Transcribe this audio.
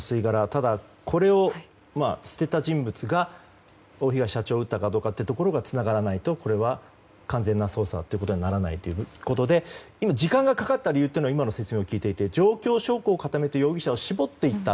ただ、これを捨てた人物が大東社長を撃ったかどうかがつながらないとこれは完全な捜査ということにはならないということで時間がかかった理由は今の説明を聞いていて状況証拠を聞いて容疑者を固めていった。